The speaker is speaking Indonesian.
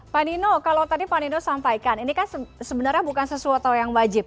pak nino kalau tadi pak nino sampaikan ini kan sebenarnya bukan sesuatu yang wajib